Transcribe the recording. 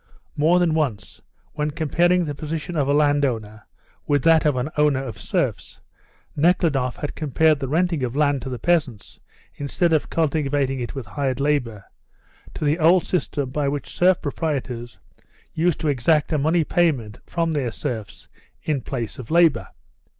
More than once, when comparing the position of a landowner with that of an owner of serfs, Nekhludoff had compared the renting of land to the peasants instead of cultivating it with hired labour, to the old system by which serf proprietors used to exact a money payment from their serfs in place of labour.